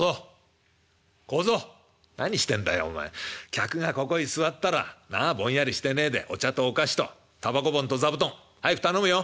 客がここへ座ったらなあぼんやりしてねえでお茶とお菓子とタバコ盆と座布団早く頼むよ。